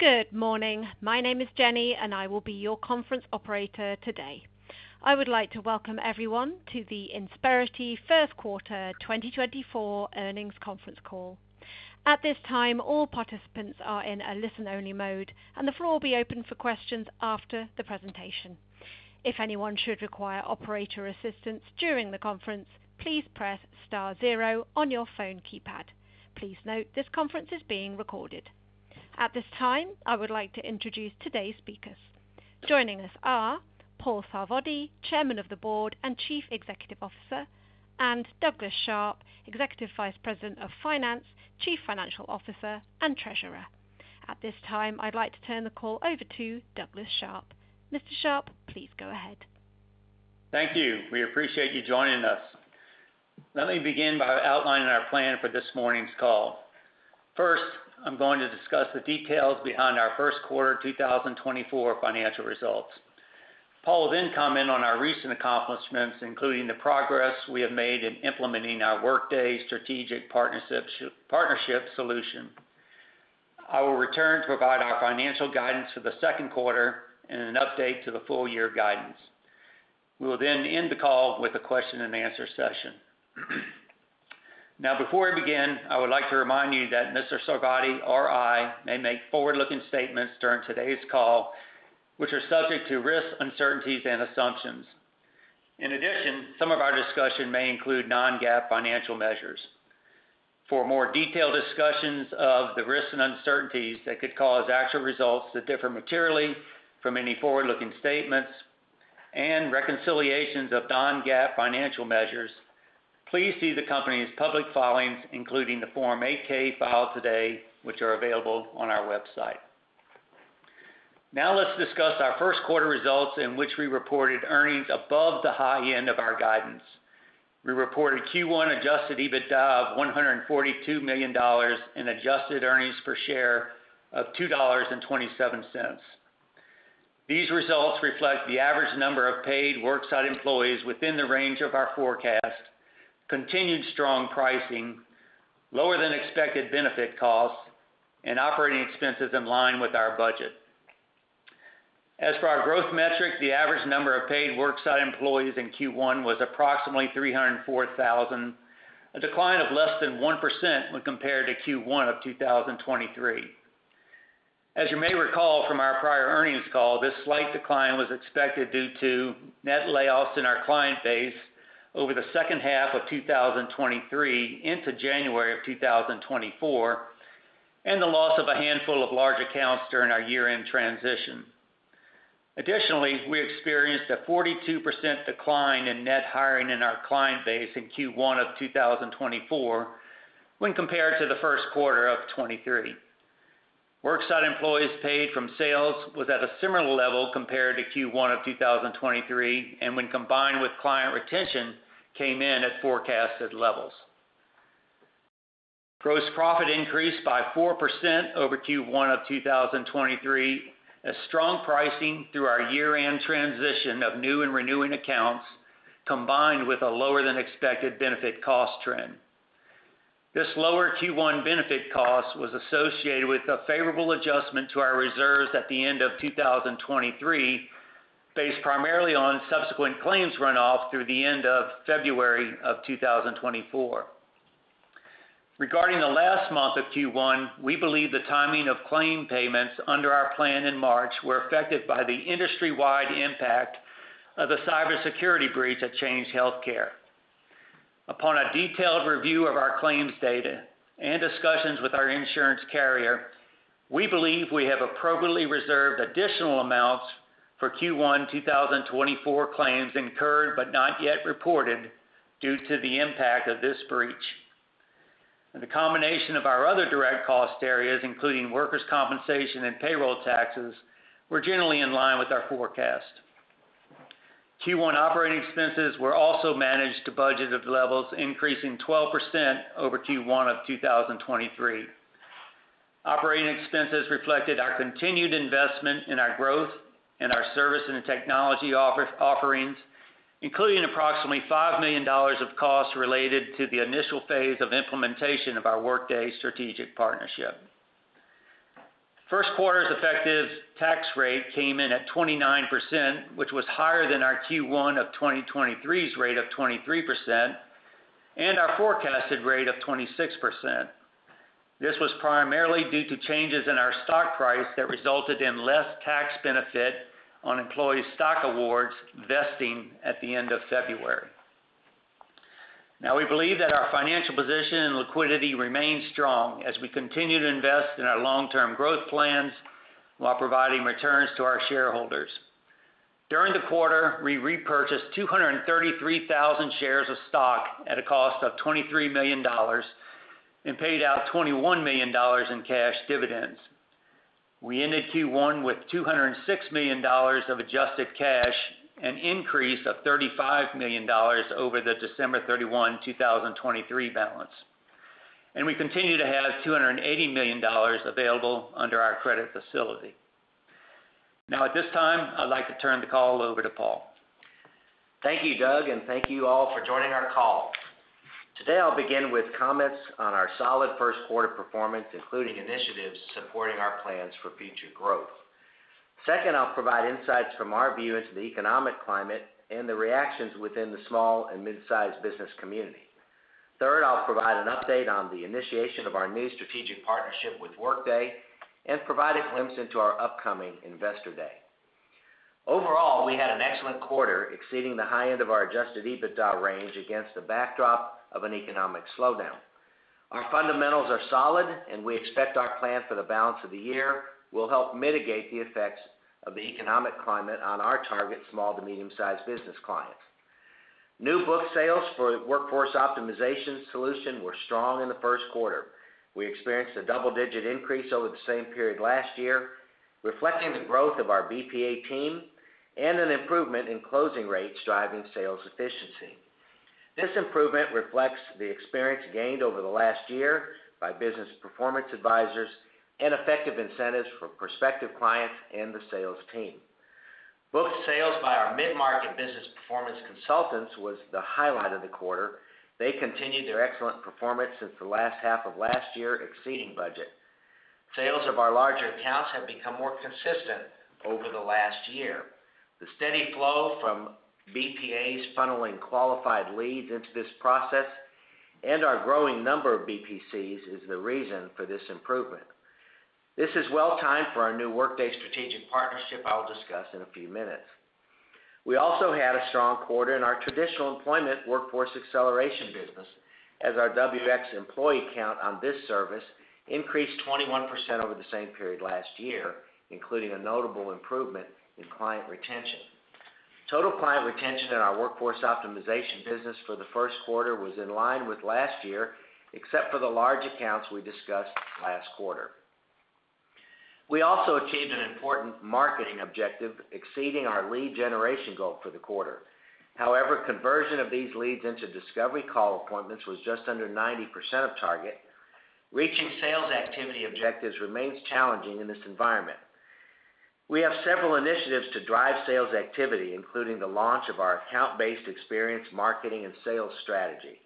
Good morning. My name is Jenny, and I will be your conference Operator today. I would like to welcome everyone to the Insperity First Quarter 2024 Earnings Conference Call. At this time, all participants are in a listen-only mode, and the floor will be open for questions after the presentation. If anyone should require operator assistance during the conference, please press star zero on your phone keypad. Please note, this conference is being recorded. At this time, I would like to introduce today's speakers. Joining us are Paul Sarvadi, Chairman of the Board and Chief Executive Officer, and Douglas Sharp, Executive Vice President of Finance, Chief Financial Officer, and Treasurer. At this time, I'd like to turn the call over to Douglas Sharp. Mr. Sharp, please go ahead. Thank you. We appreciate you joining us. Let me begin by outlining our plan for this morning's call. First, I'm going to discuss the details behind our first quarter 2024 financial results. Paul will then comment on our recent accomplishments, including the progress we have made in implementing our Workday strategic partnership solution. I will return to provide our financial guidance for the second quarter and an update to the full year guidance. We will then end the call with a question-and-answer session. Now, before we begin, I would like to remind you that Mr. Sarvadi or I may make forward-looking statements during today's call, which are subject to risks, uncertainties and assumptions. In addition, some of our discussion may include non-GAAP financial measures. For more detailed discussions of the risks and uncertainties that could cause actual results to differ materially from any forward-looking statements and reconciliations of non-GAAP financial measures, please see the company's public filings, including the Form 8-K filed today, which are available on our website. Now, let's discuss our first quarter results, in which we reported earnings above the high end of our guidance. We reported Q1 Adjusted EBITDA of $142 million and Adjusted EPS of $2.27. These results reflect the average number of paid worksite employees within the range of our forecast, continued strong pricing, lower than expected benefit costs, and operating expenses in line with our budget. As for our growth metric, the average number of paid worksite employees in Q1 was approximately 304,000, a decline of less than 1% when compared to Q1 of 2023. As you may recall from our prior earnings call, this slight decline was expected due to net layoffs in our client base over the second half of 2023 into January of 2024, and the loss of a handful of large accounts during our year-end transition. Additionally, we experienced a 42% decline in net hiring in our client base in Q1 of 2024, when compared to the first quarter of 2023. Worksite employees paid from sales was at a similar level compared to Q1 of 2023, and when combined with client retention, came in at forecasted levels. Gross profit increased by 4% over Q1 of 2023, as strong pricing through our year-end transition of new and renewing accounts, combined with a lower than expected benefit cost trend. This lower Q1 benefit cost was associated with a favorable adjustment to our reserves at the end of 2023, based primarily on subsequent claims runoff through the end of February of 2024. Regarding the last month of Q1, we believe the timing of claim payments under our plan in March were affected by the industry-wide impact of the cybersecurity breach at Change Healthcare. Upon a detailed review of our claims data and discussions with our insurance carrier, we believe we have appropriately reserved additional amounts for Q1 2024 claims incurred but not yet reported due to the impact of this breach. The combination of our other direct cost areas, including workers' compensation and payroll taxes, were generally in line with our forecast. Q1 operating expenses were also managed to budgeted levels, increasing 12% over Q1 of 2023. Operating expenses reflected our continued investment in our growth and our service and technology offerings, including approximately $5 million of costs related to the initial phase of implementation of our Workday strategic partnership. First quarter's effective tax rate came in at 29%, which was higher than our Q1 of 2023's rate of 23% and our forecasted rate of 26%. This was primarily due to changes in our stock price that resulted in less tax benefit on employee stock awards vesting at the end of February. Now, we believe that our financial position and liquidity remains strong as we continue to invest in our long-term growth plans while providing returns to our shareholders. During the quarter, we repurchased 233,000 shares of stock at a cost of $23 million and paid out $21 million in cash dividends. We ended Q1 with $206 million of adjusted cash, an increase of $35 million over the December 31, 2023 balance. We continue to have $280 million available under our credit facility… Now, at this time, I'd like to turn the call over to Paul. Thank you, Doug, and thank you all for joining our call. Today, I'll begin with comments on our solid first quarter performance, including initiatives supporting our plans for future growth. Second, I'll provide insights from our view into the economic climate and the reactions within the small and mid-sized business community. Third, I'll provide an update on the initiation of our new strategic partnership with Workday, and provide a glimpse into our upcoming Investor Day. Overall, we had an excellent quarter, exceeding the high end of our Adjusted EBITDA range against the backdrop of an economic slowdown. Our fundamentals are solid, and we expect our plan for the balance of the year will help mitigate the effects of the economic climate on our target small to medium-sized business clients. New book sales for Workforce Optimization solution were strong in the first quarter. We experienced a double-digit increase over the same period last year, reflecting the growth of our BPA team and an improvement in closing rates, driving sales efficiency. This improvement reflects the experience gained over the last year by Business Performance Advisors and effective incentives for prospective clients and the sales team. Booked sales by our mid-market Business Performance Consultants was the highlight of the quarter. They continued their excellent performance since the last half of last year, exceeding budget. Sales of our larger accounts have become more consistent over the last year. The steady flow from BPAs funneling qualified leads into this process and our growing number of BPCs is the reason for this improvement. This is well-timed for our new Workday strategic partnership I will discuss in a few minutes. We also had a strong quarter in our traditional employment Workforce Acceleration business, as our WX employee count on this service increased 21% over the same period last year, including a notable improvement in client retention. Total client retention in our Workforce Optimization business for the first quarter was in line with last year, except for the large accounts we discussed last quarter. We also achieved an important marketing objective, exceeding our lead generation goal for the quarter. However, conversion of these leads into discovery call appointments was just under 90% of target. Reaching sales activity objectives remains challenging in this environment. We have several initiatives to drive sales activity, including the launch of our Account-Based Experience, marketing, and sales strategy.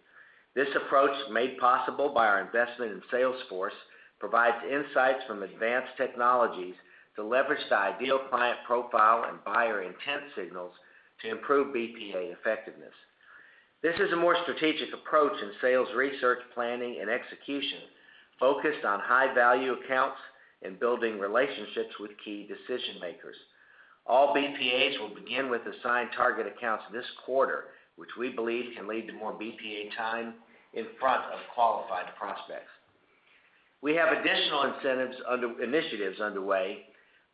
This approach, made possible by our investment in Salesforce, provides insights from advanced technologies to leverage the ideal client profile and buyer intent signals to improve BPA effectiveness. This is a more strategic approach in sales, research, planning, and execution, focused on high-value accounts and building relationships with key decision-makers. All BPAs will begin with assigned target accounts this quarter, which we believe can lead to more BPA time in front of qualified prospects. We have additional incentives initiatives underway,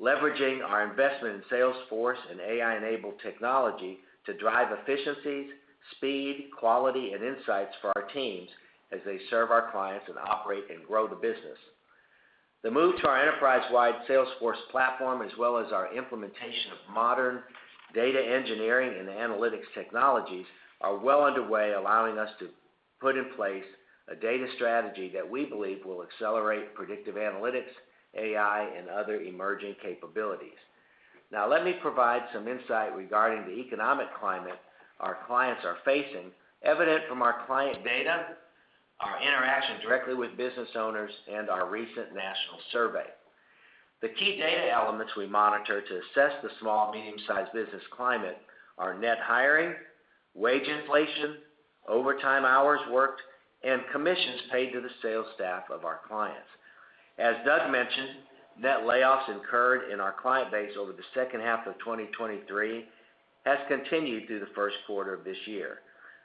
leveraging our investment in Salesforce and AI-enabled technology to drive efficiencies, speed, quality, and insights for our teams as they serve our clients and operate and grow the business. The move to our enterprise-wide Salesforce platform, as well as our implementation of modern data engineering and analytics technologies, are well underway, allowing us to put in place a data strategy that we believe will accelerate predictive analytics, AI, and other emerging capabilities. Now, let me provide some insight regarding the economic climate our clients are facing, evident from our client data, our interaction directly with business owners, and our recent national survey. The key data elements we monitor to assess the small, medium-sized business climate are net hiring, wage inflation, overtime hours worked, and commissions paid to the sales staff of our clients. As Doug mentioned, net layoffs incurred in our client base over the second half of 2023 has continued through the first quarter of this year.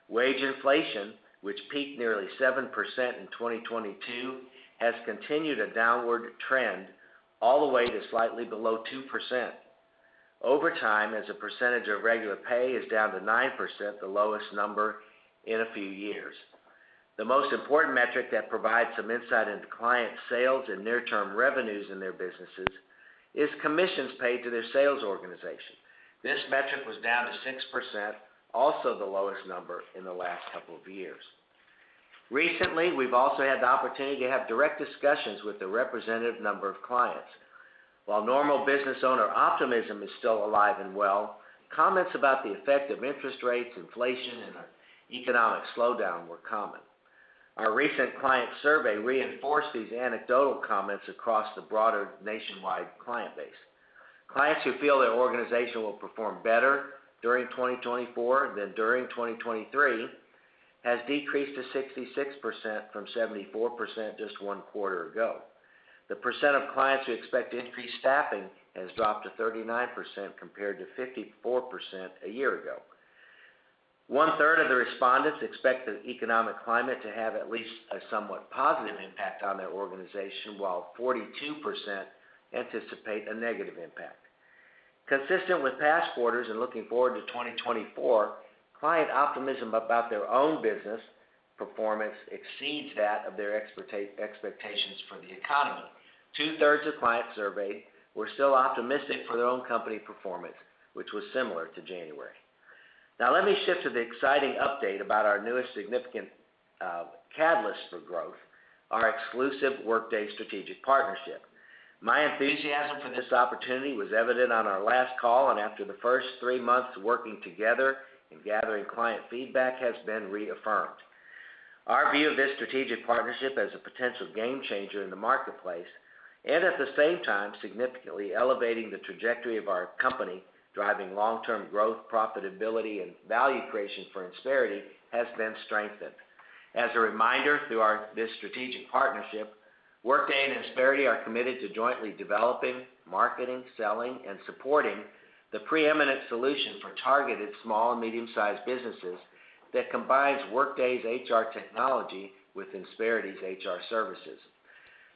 Wage inflation, which peaked nearly 7% in 2022, has continued a downward trend all the way to slightly below 2%. Overtime, as a percentage of regular pay, is down to 9%, the lowest number in a few years. The most important metric that provides some insight into client sales and near-term revenues in their businesses is commissions paid to their sales organization. This metric was down to 6%, also the lowest number in the last couple of years. Recently, we've also had the opportunity to have direct discussions with a representative number of clients. While normal business owner optimism is still alive and well, comments about the effect of interest rates, inflation, and an economic slowdown were common. Our recent client survey reinforced these anecdotal comments across the broader nationwide client base. Clients who feel their organization will perform better during 2024 than during 2023 has decreased to 66% from 74% just one quarter ago. The percent of clients who expect increased staffing has dropped to 39%, compared to 54% a year ago. One-third of the respondents expect the economic climate to have at least a somewhat positive impact on their organization, while 42% anticipate a negative impact. Consistent with past quarters and looking forward to 2024, client optimism about their own business performance exceeds that of their expectations for the economy. 2/3 of clients surveyed were still optimistic for their own company performance, which was similar to January.... Now let me shift to the exciting update about our newest significant catalyst for growth, our exclusive Workday strategic partnership. My enthusiasm for this opportunity was evident on our last call, and after the first three months working together and gathering client feedback, has been reaffirmed. Our view of this strategic partnership as a potential game changer in the marketplace, and at the same time, significantly elevating the trajectory of our company, driving long-term growth, profitability, and value creation for Insperity, has been strengthened. As a reminder, through this strategic partnership, Workday and Insperity are committed to jointly developing, marketing, selling, and supporting the preeminent solution for targeted small and medium-sized businesses that combines Workday's HR technology with Insperity's HR services.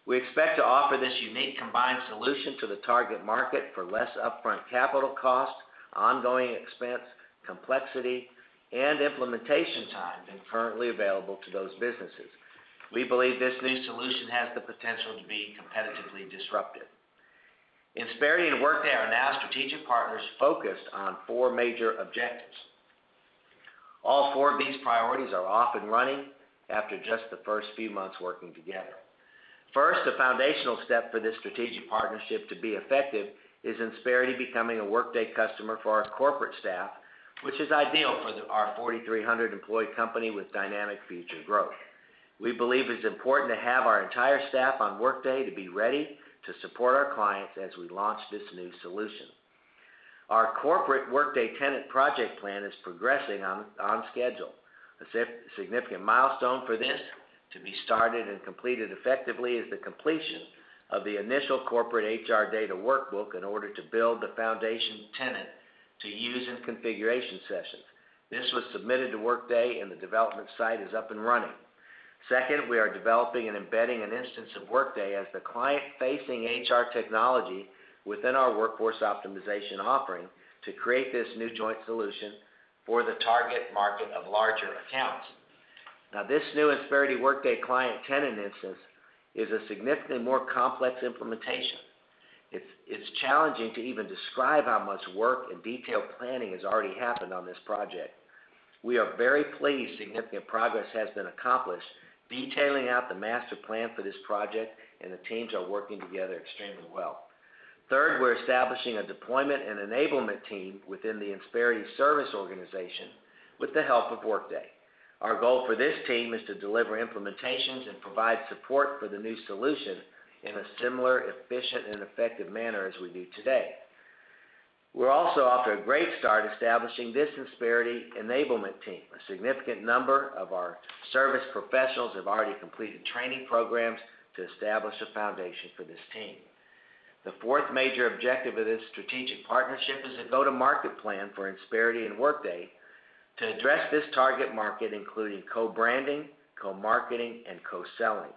We expect to offer this unique combined solution to the target market for less upfront capital costs, ongoing expense, complexity, and implementation time than currently available to those businesses. We believe this new solution has the potential to be competitively disruptive. Insperity and Workday are now strategic partners focused on four major objectives. All four of these priorities are off and running after just the first few months working together. First, the foundational step for this strategic partnership to be effective is Insperity becoming a Workday customer for our corporate staff, which is ideal for our 4,300 employee company with dynamic future growth. We believe it's important to have our entire staff on Workday to be ready to support our clients as we launch this new solution. Our corporate Workday tenant project plan is progressing on schedule. A significant milestone for this to be started and completed effectively is the completion of the initial corporate HR data workbook in order to build the foundation tenant to use in configuration sessions. This was submitted to Workday, and the development site is up and running. Second, we are developing and embedding an instance of Workday as the client-facing HR technology within our Workforce Optimization offering to create this new joint solution for the target market of larger accounts. Now, this new Insperity Workday client tenant instance is a significantly more complex implementation. It's challenging to even describe how much work and detailed planning has already happened on this project. We are very pleased significant progress has been accomplished, detailing out the master plan for this project, and the teams are working together extremely well. Third, we're establishing a deployment and enablement team within the Insperity service organization with the help of Workday. Our goal for this team is to deliver implementations and provide support for the new solution in a similar, efficient, and effective manner as we do today. We're also off to a great start establishing this Insperity enablement team. A significant number of our service professionals have already completed training programs to establish a foundation for this team. The fourth major objective of this strategic partnership is a go-to-market plan for Insperity and Workday to address this target market, including co-branding, co-marketing, and co-selling.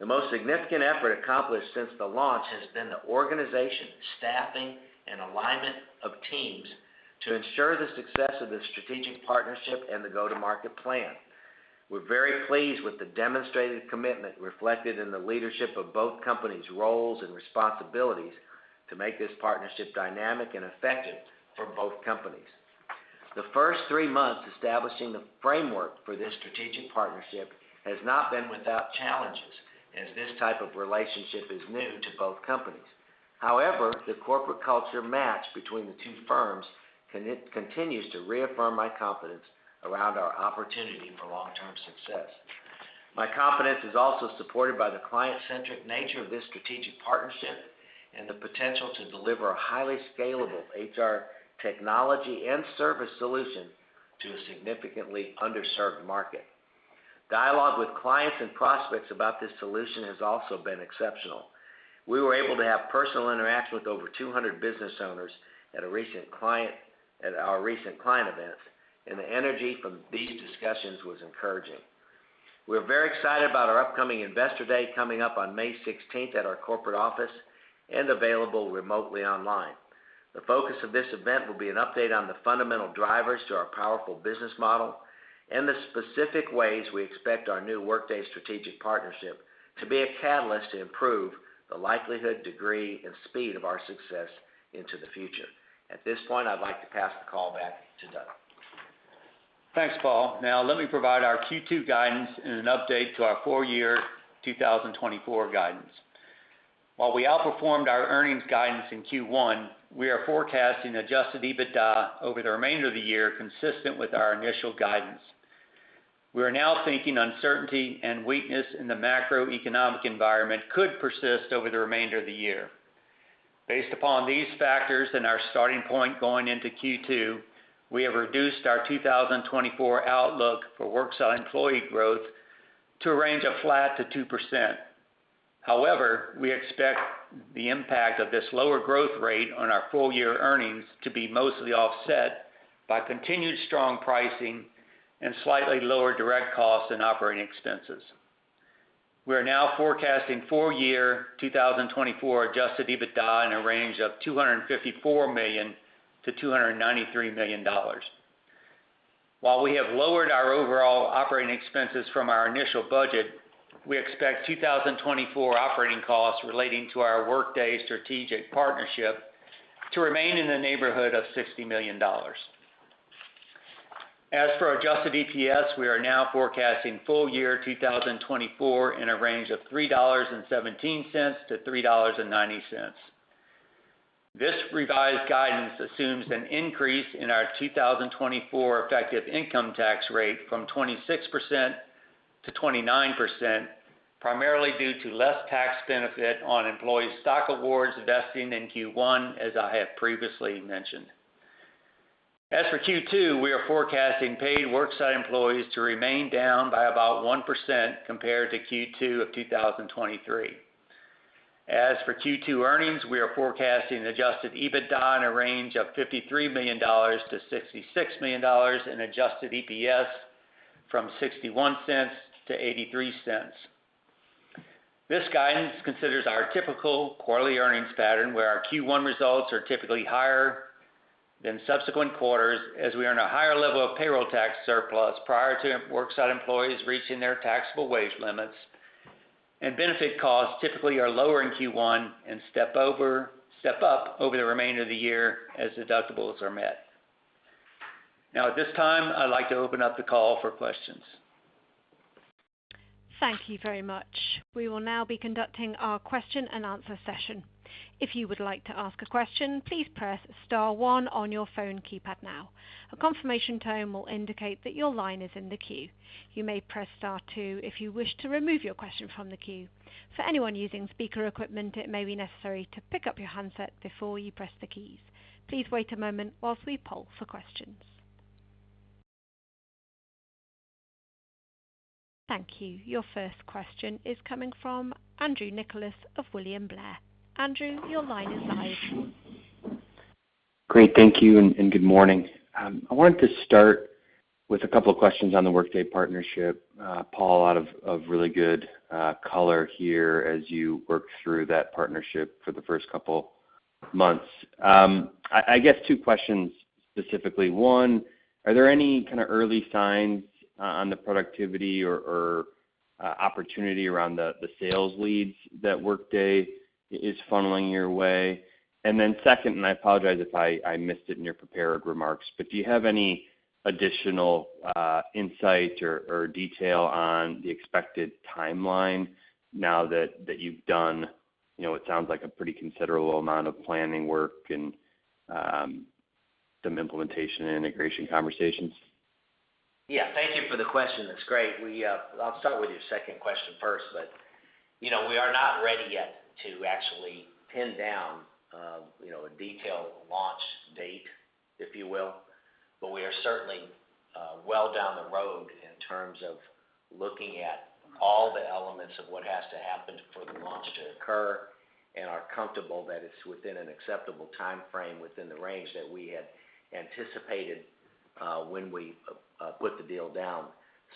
The most significant effort accomplished since the launch has been the organization, staffing, and alignment of teams to ensure the success of this strategic partnership and the go-to-market plan. We're very pleased with the demonstrated commitment reflected in the leadership of both companies' roles and responsibilities to make this partnership dynamic and effective for both companies. The first three months establishing the framework for this strategic partnership has not been without challenges, as this type of relationship is new to both companies. However, the corporate culture match between the two firms continues to reaffirm my confidence around our opportunity for long-term success. My confidence is also supported by the client-centric nature of this strategic partnership and the potential to deliver a highly scalable HR technology and service solution to a significantly underserved market. Dialogue with clients and prospects about this solution has also been exceptional. We were able to have personal interaction with over 200 business owners at our recent client event, and the energy from these discussions was encouraging. We're very excited about our upcoming Investor Day, coming up on May 16 at our corporate office and available remotely online. The focus of this event will be an update on the fundamental drivers to our powerful business model and the specific ways we expect our new Workday strategic partnership to be a catalyst to improve the likelihood, degree, and speed of our success into the future. At this point, I'd like to pass the call back to Doug. Thanks, Paul. Now, let me provide our Q2 guidance and an update to our full-year 2024 guidance. While we outperformed our earnings guidance in Q1, we are forecasting Adjusted EBITDA over the remainder of the year, consistent with our initial guidance. We are now thinking uncertainty and weakness in the macroeconomic environment could persist over the remainder of the year. Based upon these factors and our starting point going into Q2, we have reduced our 2024 outlook for worksite employee growth to a range of flat to 2%. However, we expect the impact of this lower growth rate on our full-year earnings to be mostly offset by continued strong pricing and slightly lower direct costs and operating expenses. We are now forecasting full-year 2024 Adjusted EBITDA in a range of $254 million-$293 million. ...While we have lowered our overall operating expenses from our initial budget, we expect 2024 operating costs relating to our Workday strategic partnership to remain in the neighborhood of $60 million. As for Adjusted EPS, we are now forecasting full year 2024 in a range of $3.17-$3.90. This revised guidance assumes an increase in our 2024 effective income tax rate from 26%-29%, primarily due to less tax benefit on employee stock awards vesting in Q1, as I have previously mentioned. As for Q2, we are forecasting paid worksite employees to remain down by about 1% compared to Q2 of 2023. As for Q2 earnings, we are forecasting Adjusted EBITDA in a range of $53 million-$66 million and Adjusted EPS from $0.61-$0.83. This guidance considers our typical quarterly earnings pattern, where our Q1 results are typically higher than subsequent quarters, as we earn a higher level of payroll tax surplus prior to worksite employees reaching their taxable wage limits, and benefit costs typically are lower in Q1 and step up over the remainder of the year as deductibles are met. Now, at this time, I'd like to open up the call for questions. Thank you very much. We will now be conducting our question-and-answer session. If you would like to ask a question, please press star one on your phone keypad now. A confirmation tone will indicate that your line is in the queue. You may press star two if you wish to remove your question from the queue. For anyone using speaker equipment, it may be necessary to pick up your handset before you press the keys. Please wait a moment while we poll for questions. Thank you. Your first question is coming from Andrew Nicholas of William Blair. Andrew, your line is live. Great, thank you, and good morning. I wanted to start with a couple of questions on the Workday partnership. Paul, a lot of really good color here as you work through that partnership for the first couple months. I guess two questions specifically. One, are there any kind of early signs on the productivity or opportunity around the sales leads that Workday is funneling your way? And then second, and I apologize if I missed it in your prepared remarks, but do you have any additional insight or detail on the expected timeline now that you've done, you know, what sounds like a pretty considerable amount of planning work and some implementation and integration conversations? Yeah, thank you for the question. That's great. We, I'll start with your second question first. But, you know, we are not ready yet to actually pin down, you know, a detailed launch date, if you will. But we are certainly, well down the road in terms of looking at all the elements of what has to happen for the launch to occur and are comfortable that it's within an acceptable timeframe within the range that we had anticipated, when we, put the deal down.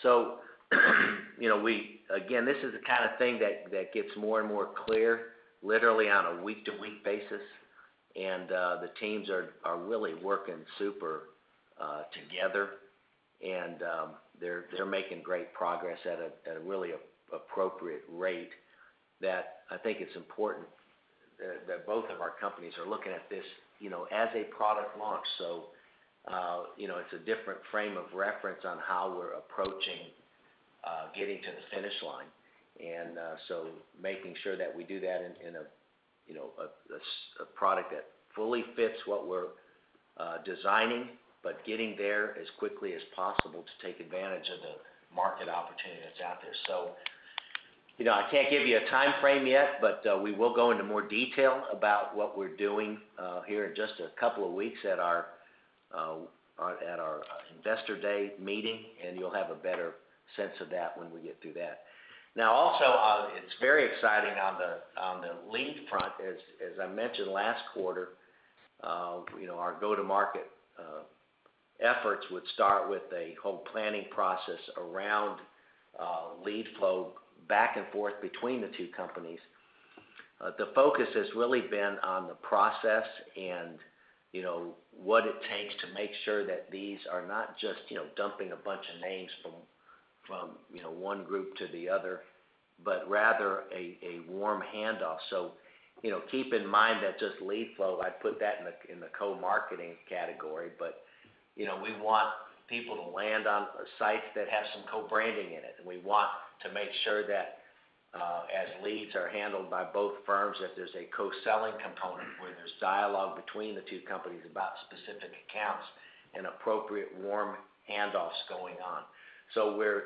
So, you know, we... Again, this is the kind of thing that gets more and more clear, literally on a week-to-week basis. The teams are really working super together, and they're making great progress at a really appropriate rate that I think it's important that both of our companies are looking at this, you know, as a product launch. So, you know, it's a different frame of reference on how we're approaching getting to the finish line. And so making sure that we do that in a, you know, a product that fully fits what we're designing, but getting there as quickly as possible to take advantage of the market opportunity that's out there. So, you know, I can't give you a timeframe yet, but we will go into more detail about what we're doing here in just a couple of weeks at our Investor Day meeting, and you'll have a better sense of that when we get through that. Now, also, it's very exciting on the lead front, as I mentioned last quarter, you know, our go-to-market efforts would start with a whole planning process around lead flow back and forth between the two companies. The focus has really been on the process and, you know, what it takes to make sure that these are not just, you know, dumping a bunch of names from one group to the other, but rather a warm handoff. So, you know, keep in mind that just lead flow, I'd put that in the co-marketing category, but, you know, we want people to land on sites that have some co-branding in it. We want to make sure that, as leads are handled by both firms, that there's a co-selling component, where there's dialogue between the two companies about specific accounts and appropriate warm handoffs going on. So we're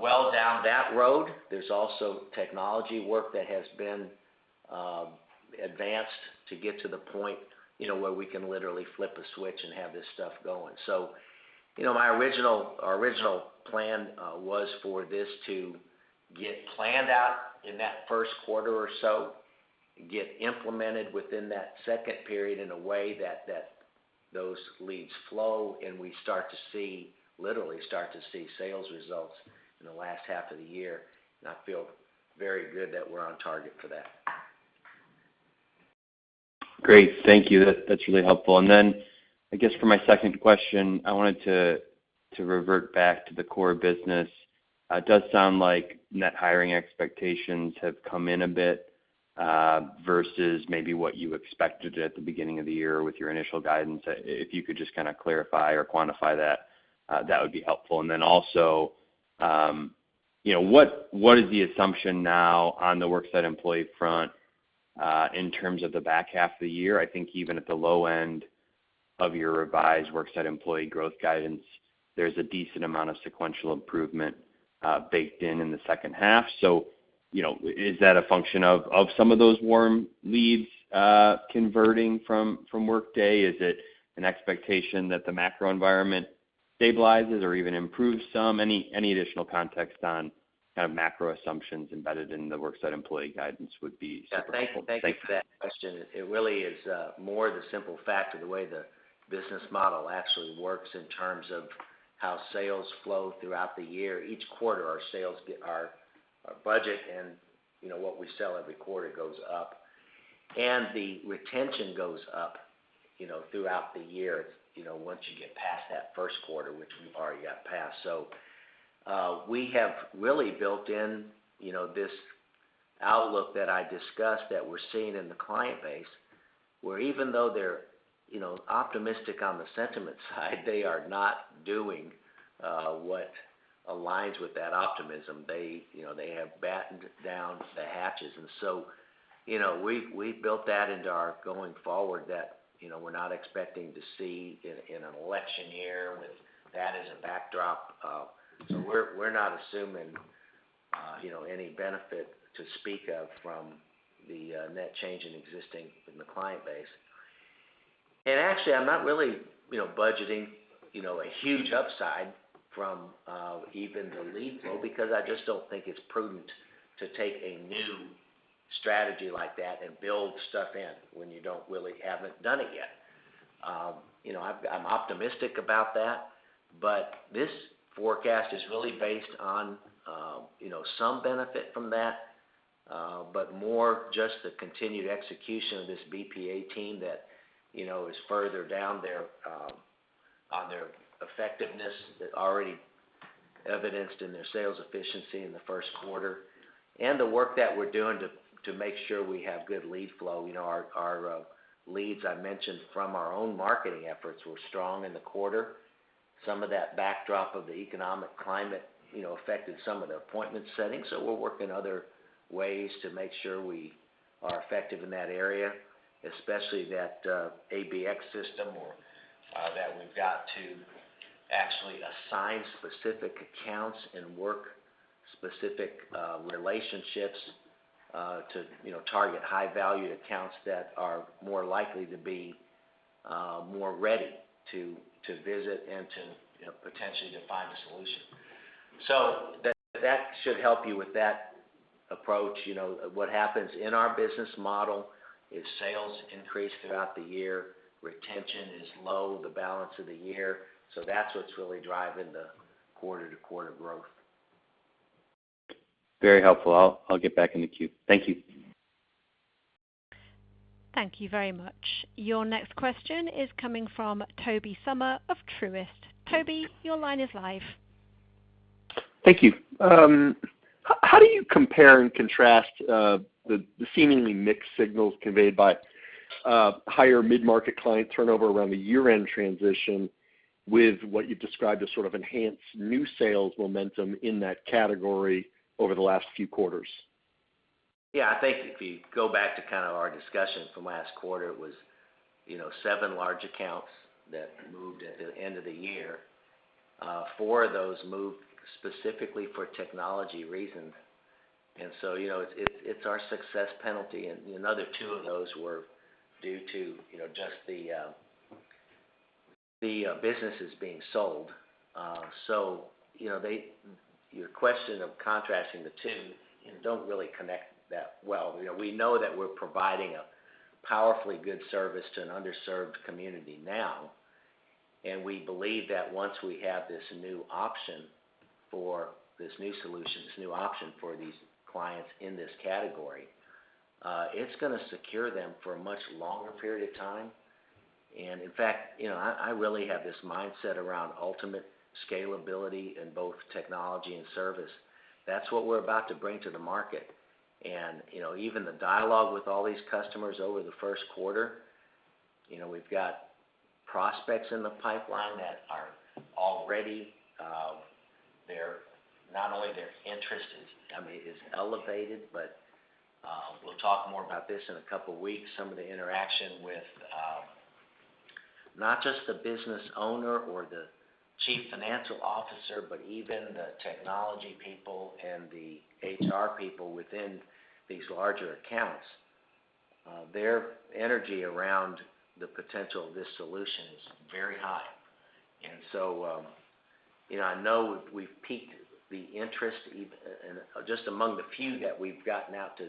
well down that road. There's also technology work that has been advanced to get to the point, you know, where we can literally flip a switch and have this stuff going. You know, my original- our original plan was for this to get planned out in that first quarter or so, get implemented within that second period in a way that those leads flow, and we start to see, literally start to see sales results in the last half of the year. And I feel very good that we're on target for that.... Great. Thank you. That, that's really helpful. And then I guess for my second question, I wanted to revert back to the core business. It does sound like net hiring expectations have come in a bit versus maybe what you expected at the beginning of the year with your initial guidance. If you could just kinda clarify or quantify that, that would be helpful. And then also, you know, what is the assumption now on the worksite employee front in terms of the back half of the year? I think even at the low end of your revised worksite employee growth guidance, there's a decent amount of sequential improvement baked in the second half. So, you know, is that a function of some of those warm leads converting from Workday? Is it an expectation that the macro environment stabilizes or even improves some? Any, any additional context on kind of macro assumptions embedded in the worksite employee guidance would be super helpful. Yeah, thank you. Thanks. Thank you for that question. It really is more the simple fact of the way the business model actually works in terms of how sales flow throughout the year. Each quarter, our sales, our budget, and, you know, what we sell every quarter goes up, and the retention goes up, you know, throughout the year, you know, once you get past that first quarter, which we've already got past. So, we have really built in, you know, this outlook that I discussed, that we're seeing in the client base, where even though they're, you know, optimistic on the sentiment side, they are not doing what aligns with that optimism. They, you know, they have battened down the hatches. And so, you know, we've built that into our going forward, that, you know, we're not expecting to see in an election year, with that as a backdrop. So we're not assuming, you know, any benefit to speak of from the net change in existing in the client base. And actually, I'm not really, you know, budgeting, you know, a huge upside from even the lead flow, because I just don't think it's prudent to take a new strategy like that and build stuff in when you don't really haven't done it yet. You know, I'm optimistic about that, but this forecast is really based on, you know, some benefit from that, but more just the continued execution of this BPA team that, you know, is further down their, on their effectiveness, that already evidenced in their sales efficiency in the first quarter, and the work that we're doing to make sure we have good lead flow. You know, our leads, I mentioned from our own marketing efforts, were strong in the quarter. Some of that backdrop of the economic climate, you know, affected some of the appointment setting, so we're working other ways to make sure we are effective in that area, especially that ABX system or that we've got to actually assign specific accounts and work specific relationships to, you know, target high-value accounts that are more likely to be more ready to visit and to, you know, potentially to find a solution. So that should help you with that approach. You know, what happens in our business model, if sales increase throughout the year, retention is low, the balance of the year, so that's what's really driving the quarter-to-quarter growth. Very helpful. I'll get back in the queue. Thank you. Thank you very much. Your next question is coming from Toby Sommer of Truist. Toby, your line is live. Thank you. How do you compare and contrast the seemingly mixed signals conveyed by higher mid-market client turnover around the year-end transition with what you've described as sort of enhanced new sales momentum in that category over the last few quarters? Yeah, I think if you go back to kind of our discussion from last quarter, it was, you know, seven large accounts that moved at the end of the year. Four of those moved specifically for technology reasons. And so, you know, it's our success penalty, and another two of those were due to, you know, just the businesses being sold. So you know, they, your question of contrasting the two, you know, don't really connect that well. You know, we know that we're providing a powerfully good service to an underserved community now, and we believe that once we have this new option for... this new solution, this new option for these clients in this category, it's gonna secure them for a much longer period of time. In fact, you know, I really have this mindset around ultimate scalability in both technology and service. That's what we're about to bring to the market. You know, even the dialogue with all these customers over the first quarter, you know, we've got prospects in the pipeline that are already, they're not only interested, I mean, it's elevated, but we'll talk more about this in a couple of weeks. Some of the interaction with, not just the business owner or the chief financial officer, but even the technology people and the HR people within these larger accounts, their energy around the potential of this solution is very high. So, you know, I know we've piqued the interest and just among the few that we've gotten out to,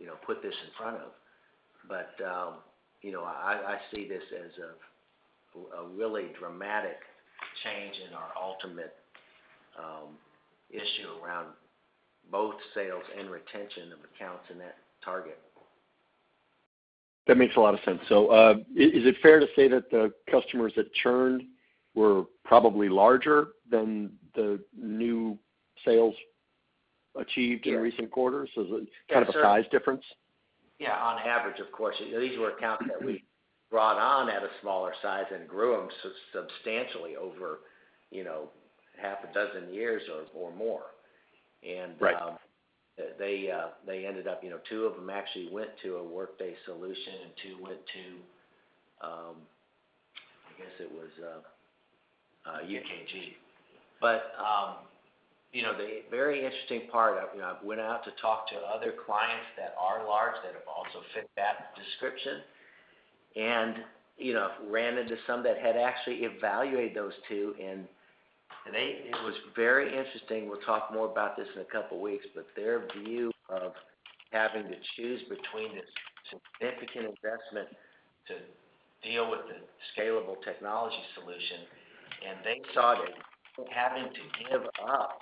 you know, put this in front of. You know, I see this as a really dramatic change in our ultimate issue around both sales and retention of accounts in that target. That makes a lot of sense. So, is it fair to say that the customers that churned were probably larger than the new sales achieved? Yeah In recent quarters? Is it kind of a size difference? Yeah, on average, of course, these were accounts that we brought on at a smaller size and grew them substantially over, you know, half a dozen years or more. And, Right... they ended up, you know, two of them actually went to a Workday solution, and two went to, I guess it was, UKG. But, you know, the very interesting part, you know, I've went out to talk to other clients that are large, that have also fit that description, and, you know, ran into some that had actually evaluated those two, and they. It was very interesting. We'll talk more about this in a couple of weeks, but their view of having to choose between the significant investment to deal with the scalable technology solution, and they saw it having to give up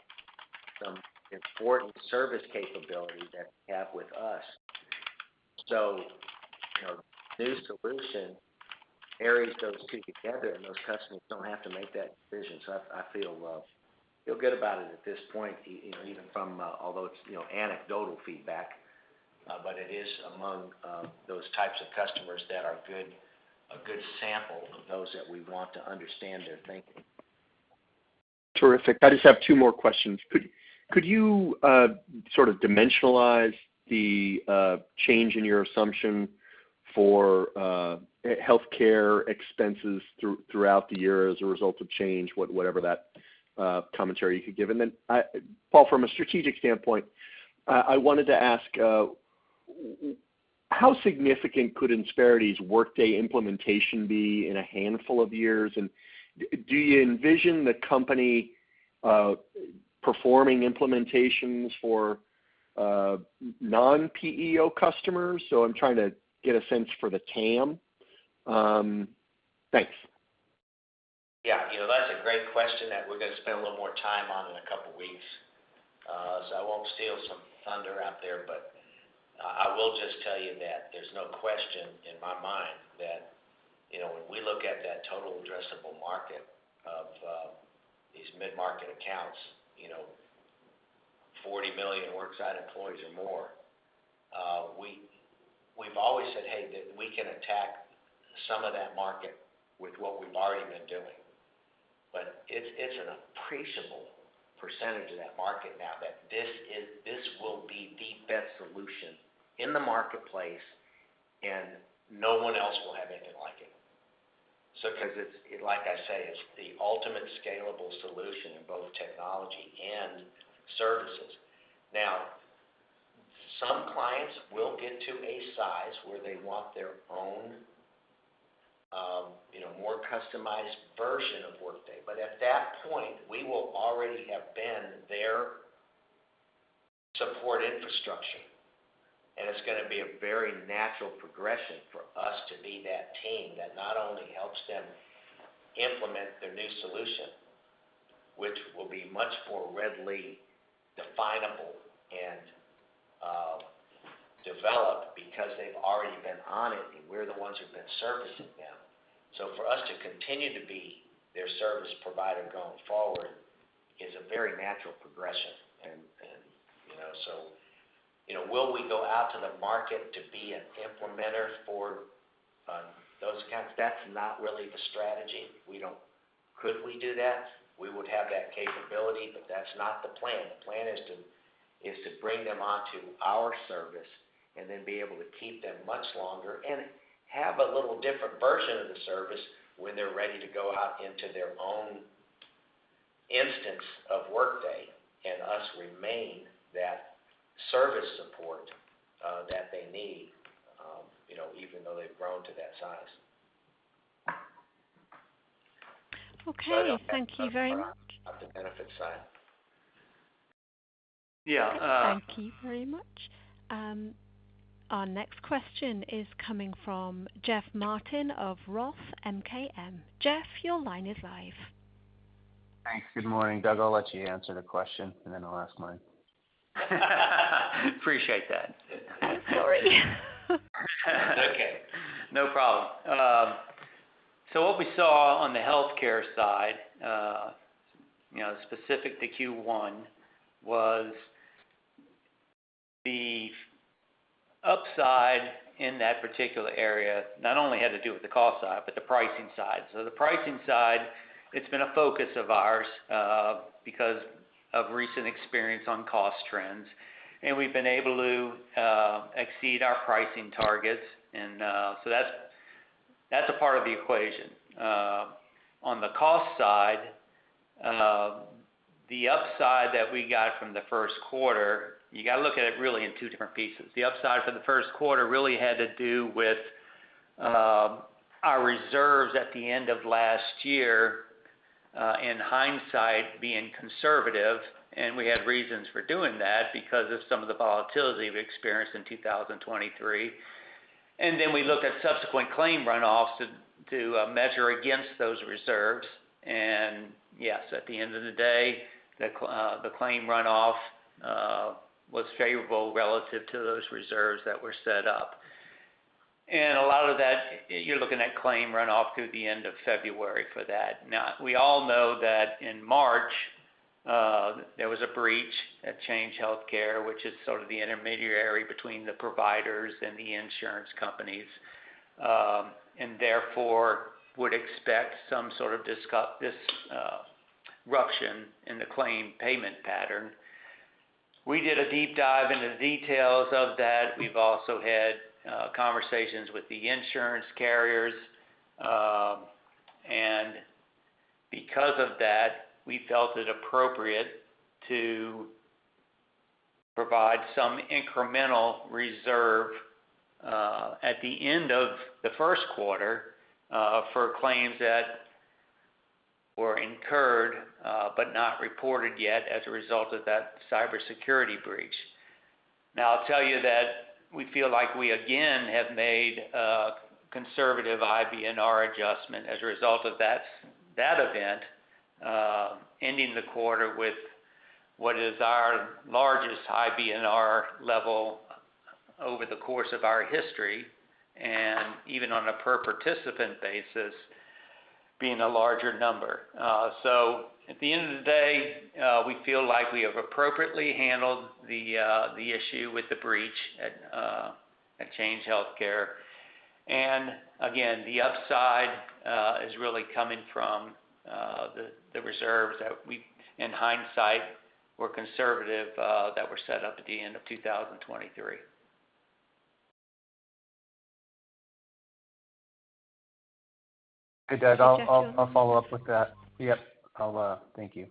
some important service capability that they have with us. So, you know, new solution carries those two together, and those customers don't have to make that decision. So I feel good about it at this point, you know, even from, although it's, you know, anecdotal feedback, but it is among those types of customers that are a good sample of those that we want to understand their thinking. Terrific. I just have two more questions. Could you sort of dimensionalize the change in your assumption for health care expenses throughout the year as a result of Change, whatever that commentary you could give? And then, Paul, from a strategic standpoint, I wanted to ask how significant could Insperity's Workday implementation be in a handful of years? And do you envision the company performing implementations for non-PEO customers? So I'm trying to get a sense for the TAM. Thanks. Yeah, you know, that's a great question that we're going to spend a little more time on in a couple of weeks. So I won't steal some thunder out there, but I will just tell you that there's no question in my mind that, you know, when we look at that total addressable market of these mid-market accounts, you know, 40 million worksite employees or more, we, we've always said, "Hey, that we can attack some of that market with what we've already been doing." But it's, it's an appreciable percentage of that market now that this is, this will be the best solution in the marketplace, and no one else will have anything like it. So because it's, like I say, it's the ultimate scalable solution in both technology and services. Now, some clients will get to a size where they want their own, you know, more customized version of Workday, but at that point, we will already have been their support infrastructure. And it's gonna be a very natural progression for us to be that team that not only helps them implement their new solution, which will be much more readily definable and, developed because they've already been on it, and we're the ones who've been servicing them. So for us to continue to be their service provider going forward is a very natural progression. And, and, you know, so... You know, will we go out to the market to be an implementer for, those accounts? That's not really the strategy. We don't-- Could we do that? We would have that capability, but that's not the plan. The plan is to bring them onto our service and then be able to keep them much longer and have a little different version of the service when they're ready to go out into their own instance of Workday, and us remain that service support that they need, you know, even though they've grown to that size. Okay. Thank you very much. Of the benefit side. Yeah, uh- Thank you very much. Our next question is coming from Jeff Martin of Roth MKM. Jeff, your line is live. Thanks. Good morning, Doug. I'll let you answer the question, and then I'll ask mine. Appreciate that. Sorry. Okay, no problem. So what we saw on the healthcare side, you know, specific to Q1, was the upside in that particular area, not only had to do with the cost side, but the pricing side. So the pricing side, it's been a focus of ours, because of recent experience on cost trends, and we've been able to exceed our pricing targets, and so that's, that's a part of the equation. On the cost side, the upside that we got from the first quarter, you got to look at it really in two different pieces. The upside for the first quarter really had to do with our reserves at the end of last year, in hindsight, being conservative, and we had reasons for doing that because of some of the volatility we've experienced in 2023. And then we look at subsequent claim runoffs to measure against those reserves. And yes, at the end of the day, the claim runoff was favorable relative to those reserves that were set up. And a lot of that, you're looking at claim runoff through the end of February for that. Now, we all know that in March, there was a breach at Change Healthcare, which is sort of the intermediary between the providers and the insurance companies, and therefore, would expect some sort of disruption in the claim payment pattern. We did a deep dive into the details of that. We've also had conversations with the insurance carriers. And because of that, we felt it appropriate to provide some incremental reserve at the end of the first quarter for claims that were incurred but not reported yet as a result of that cybersecurity breach. Now, I'll tell you that we feel like we again have made a conservative IBNR adjustment as a result of that event, ending the quarter with what is our largest IBNR level over the course of our history, and even on a per participant basis, being a larger number. So at the end of the day, we feel like we have appropriately handled the issue with the breach at Change Healthcare. And again, the upside is really coming from the reserves that we, in hindsight, were conservative that were set up at the end of 2023. Hey, Doug, I'll follow up with that. Yep. Thank you.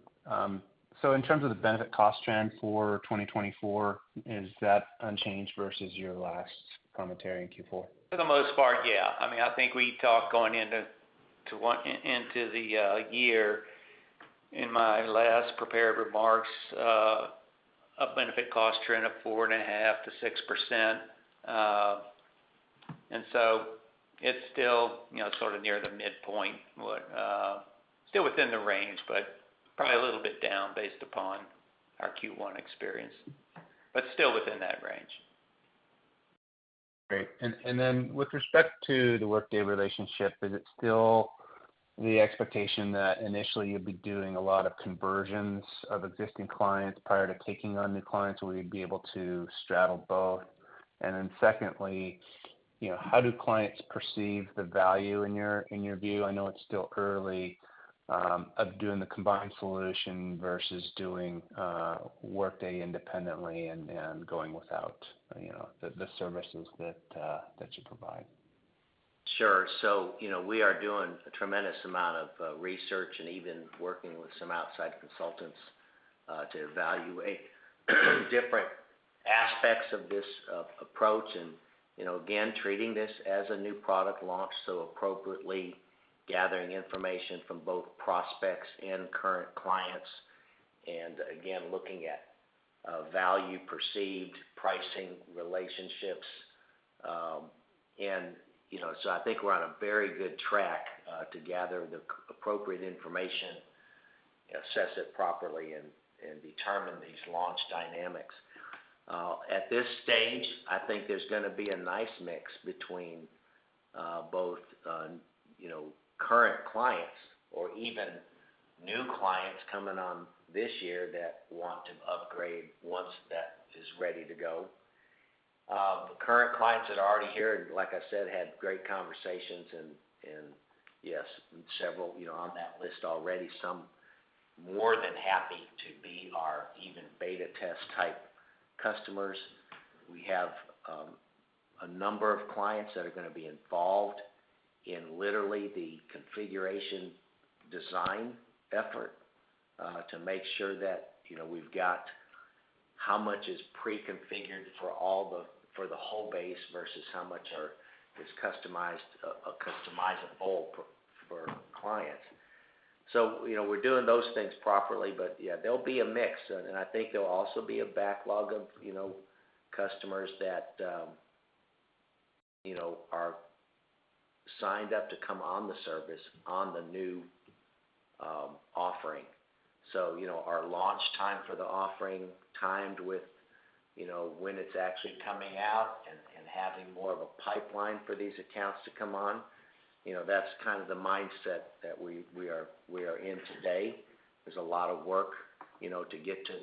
So in terms of the benefit cost trend for 2024, is that unchanged versus your last commentary in Q4? For the most part, yeah. I mean, I think we talked going into the year in my last prepared remarks, a benefit cost trend of 4.5%-6%. And so it's still, you know, sort of near the midpoint, but still within the range, but probably a little bit down based upon our Q1 experience, but still within that range. Great. And, and then with respect to the Workday relationship, is it still the expectation that initially you'll be doing a lot of conversions of existing clients prior to taking on new clients, or will you be able to straddle both? And then secondly, you know, how do clients perceive the value in your, in your view? I know it's still early, of doing the combined solution versus doing, Workday independently and, and going without, you know, the, the services that, that you provide. Sure. So, you know, we are doing a tremendous amount of research and even working with some outside consultants to evaluate different aspects of this approach. And, you know, again, treating this as a new product launch, so appropriately gathering information from both prospects and current clients. And again, looking at value perceived, pricing, relationships, and, you know... So I think we're on a very good track to gather the appropriate information, assess it properly, and determine these launch dynamics. At this stage, I think there's gonna be a nice mix between both, you know, current clients or even new clients coming on this year that want to upgrade once that is ready to go. The current clients that are already here, like I said, had great conversations and, and yes, several, you know, on that list already, some more than happy to be our even beta test type customers. We have a number of clients that are gonna be involved in literally the configuration design effort to make sure that, you know, we've got how much is pre-configured for all the, for the whole base, versus how much are, is customized or customizable for, for clients. So, you know, we're doing those things properly, but yeah, there'll be a mix. And I think there'll also be a backlog of, you know, customers that, you know, are signed up to come on the service on the new offering. So, you know, our launch time for the offering, timed with, you know, when it's actually coming out and, and having more of a pipeline for these accounts to come on, you know, that's kind of the mindset that we, we are, we are in today. There's a lot of work, you know, to get to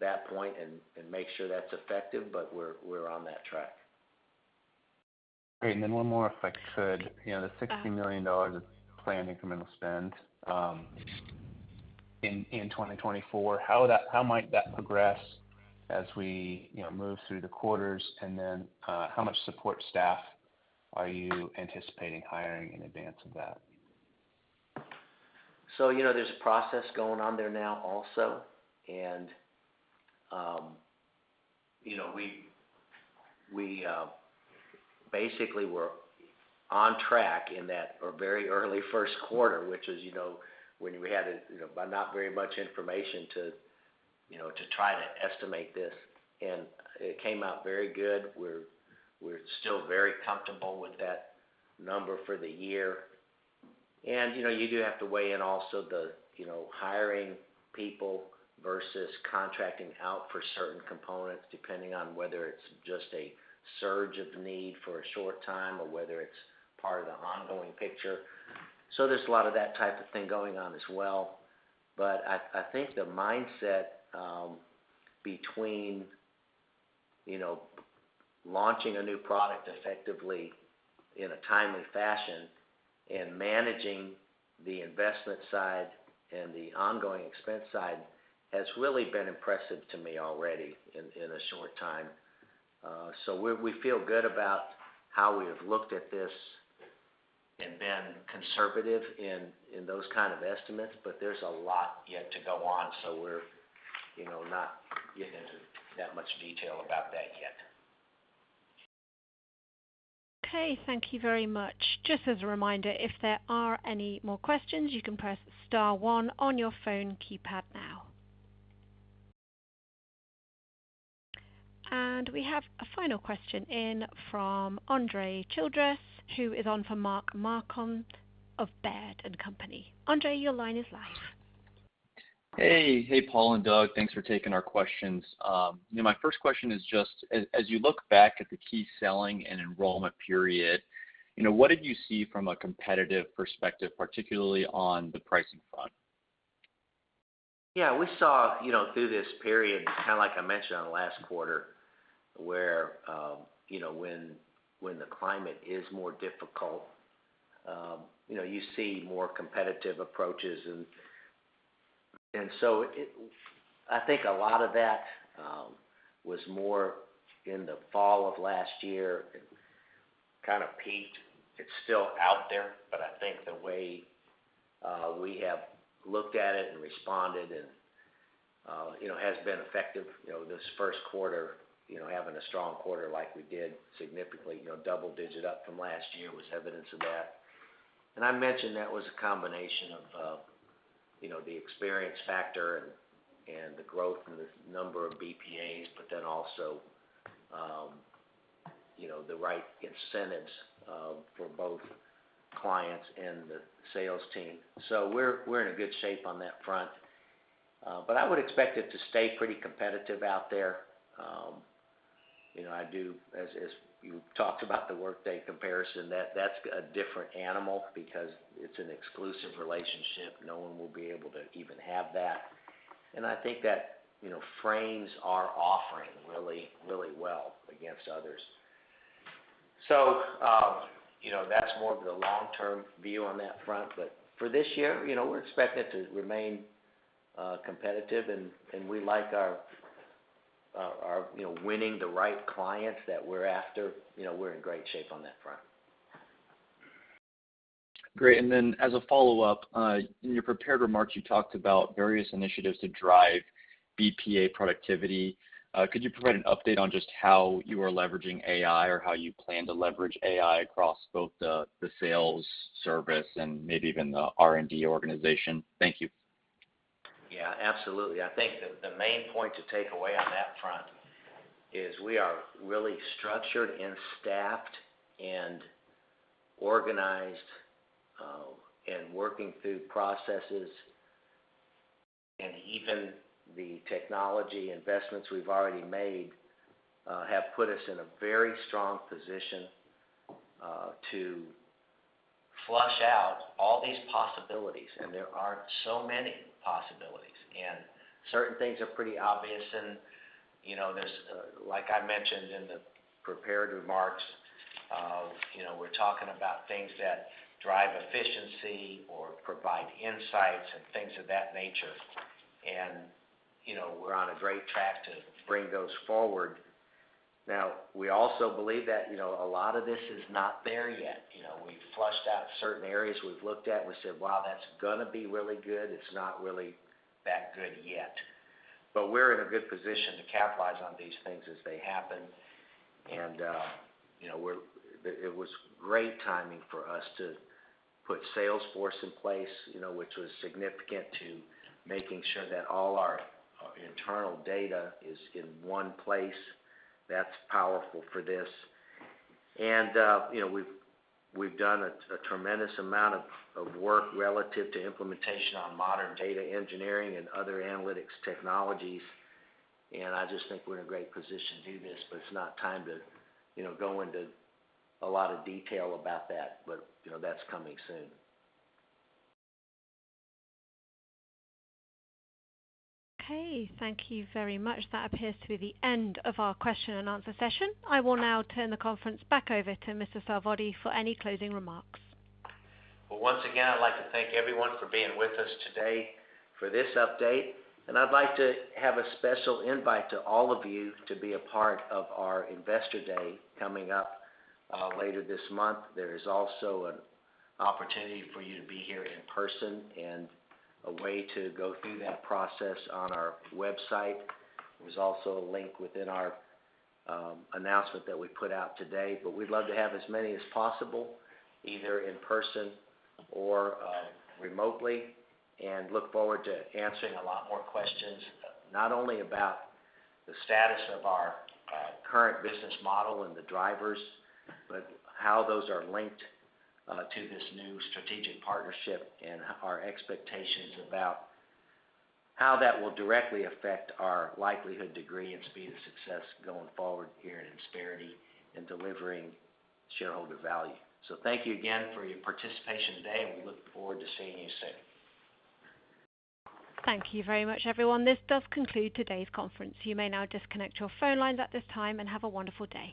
that point and, and make sure that's effective, but we're, we're on that track. Great. And then one more, if I could. You know, the $60 million of planned incremental spend in 2024, how might that progress as we, you know, move through the quarters? And then, how much support staff are you anticipating hiring in advance of that? So, you know, there's a process going on there now also, and, you know, basically we're on track in that or very early first quarter, which is, you know, when we had, you know, but not very much information to, you know, to try to estimate this, and it came out very good. We're still very comfortable with that number for the year. And, you know, you do have to weigh in also the, you know, hiring people versus contracting out for certain components, depending on whether it's just a surge of need for a short time, or whether it's part of the ongoing picture. So there's a lot of that type of thing going on as well. But I think the mindset, between, you know, launching a new product effectively in a timely fashion and managing the investment side and the ongoing expense side, has really been impressive to me already in a short time. So we feel good about how we have looked at this and been conservative in those kind of estimates, but there's a lot yet to go on. So we're, you know, not getting into that much detail about that yet. Okay, thank you very much. Just as a reminder, if there are any more questions, you can press star one on your phone keypad now. We have a final question in from Andre Childress, who is on for Mark Marcon of Baird & Company. Andre, your line is live. Hey. Hey, Paul and Doug, thanks for taking our questions. My first question is just as you look back at the key selling and enrollment period, you know, what did you see from a competitive perspective, particularly on the pricing front? Yeah, we saw, you know, through this period, kind of like I mentioned on the last quarter, where, you know, when the climate is more difficult, you know, you see more competitive approaches. And so, I think a lot of that was more in the fall of last year; it kind of peaked. It's still out there, but I think the way we have looked at it and responded and, you know, has been effective, you know, this first quarter, you know, having a strong quarter like we did, significantly, you know, double-digit up from last year, was evidence of that. And I mentioned that was a combination of, you know, the experience factor and the growth in the number of BPAs, but then also, you know, the right incentives for both clients and the sales team. So we're in a good shape on that front, but I would expect it to stay pretty competitive out there. You know, I do, as you talked about the Workday comparison, that's a different animal because it's an exclusive relationship. No one will be able to even have that. And I think that, you know, frames our offering really, really well against others. So, you know, that's more of the long-term view on that front, but for this year, you know, we're expecting it to remain competitive, and we like our winning the right clients that we're after. You know, we're in great shape on that front. Great. And then, as a follow-up, in your prepared remarks, you talked about various initiatives to drive BPA productivity. Could you provide an update on just how you are leveraging AI, or how you plan to leverage AI across both the sales, service, and maybe even the R&D organization? Thank you. Yeah, absolutely. I think the main point to take away on that front is we are really structured and staffed and organized and working through processes, and even the technology investments we've already made have put us in a very strong position to flush out all these possibilities. There are so many possibilities, and certain things are pretty obvious. You know, there's, like I mentioned in the prepared remarks, you know, we're talking about things that drive efficiency or provide insights and things of that nature. You know, we're on a great track to bring those forward. Now, we also believe that, you know, a lot of this is not there yet. You know, we've flushed out certain areas we've looked at, and we said, "Wow, that's gonna be really good." It's not really that good yet. But we're in a good position to capitalize on these things as they happen. And, you know, it was great timing for us to put Salesforce in place, you know, which was significant to making sure that all our internal data is in one place. That's powerful for this. And, you know, we've done a tremendous amount of work relative to implementation on modern data engineering and other analytics technologies, and I just think we're in a great position to do this, but it's not time to, you know, go into a lot of detail about that. But, you know, that's coming soon. Okay, thank you very much. That appears to be the end of our question-and-answer session. I will now turn the conference back over to Mr. Sarvadi for any closing remarks. Well, once again, I'd like to thank everyone for being with us today for this update. I'd like to have a special invite to all of you to be a part of our Investor Day coming up later this month. There is also an opportunity for you to be here in person, and a way to go through that process on our website. There's also a link within our announcement that we put out today. But we'd love to have as many as possible, either in person or remotely, and look forward to answering a lot more questions, not only about the status of our current business model and the drivers, but how those are linked to this new strategic partnership, and our expectations about how that will directly affect our likelihood, degree, and speed of success going forward here at Insperity and delivering shareholder value. Thank you again for your participation today, and we look forward to seeing you soon. Thank you very much, everyone. This does conclude today's conference. You may now disconnect your phone lines at this time, and have a wonderful day.